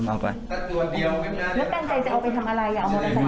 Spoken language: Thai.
แล้วตั้งใจจะเอาไปทำอะไร